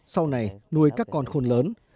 sau này nuôi các con khôn lớn